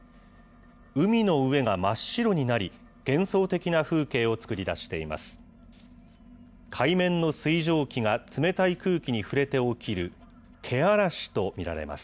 海の上が真っ白になり、幻想的な風景を作り出しています。